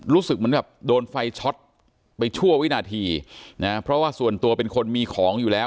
รู้สึกเหมือนแบบโดนไฟช็อตไปชั่ววินาทีนะเพราะว่าส่วนตัวเป็นคนมีของอยู่แล้ว